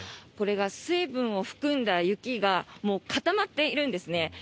これが水分を含んだ雪がもう固まっているんですね。